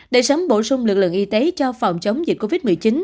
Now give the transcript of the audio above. để sớm bổ sung lực lượng y tế cho phòng chống dịch covid một mươi chín